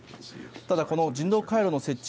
ただ、この人道回廊の設置